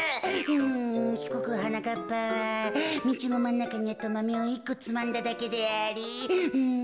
うんひこくはなかっぱはみちのまんなかにあったマメを１こつまんだだけでありうん